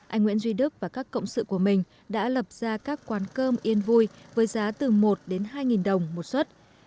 anh nguyễn duy đức và các cộng sự của mình đã lập ra các quán cơm yên vui với giá từ một đến hai đồng một xuất